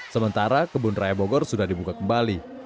sementara kebun raya bogor sudah dibuka kembali